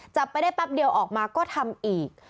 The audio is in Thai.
จับไปได้แป๊บเดียวออกมาก็ทำอีก